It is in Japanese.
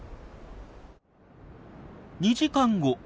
２時間後。